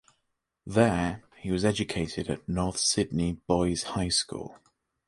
There, he was educated at North Sydney Boys' High School.